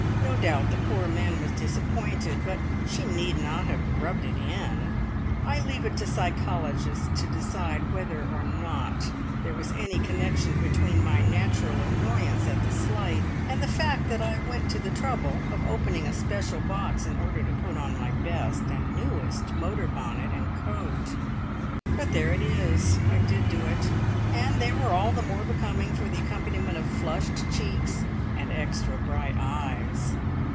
No doubt the poor man was disappointed, but she need not have rubbed it in! I leave it to psychologists to decide whether or no there was any connection between my natural annoyance at the slight, and the fact that I went to the trouble of opening a special box in order to put on my best and newest motor bonnet and coat; but there it is, I did do it, and they were all the more becoming for the accompaniment of flushed cheeks and extra bright eyes.